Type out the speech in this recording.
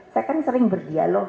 saya kan sering berdialog